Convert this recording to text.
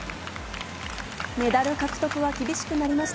メダル獲得は厳しくなりまし